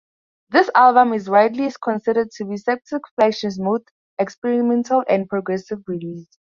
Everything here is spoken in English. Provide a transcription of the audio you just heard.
This album is widely considered to be Septic Flesh's most experimental and progressive release.